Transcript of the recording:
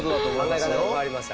考え方が変わりました。